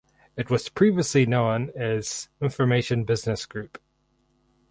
It was previously known as Information Business Group.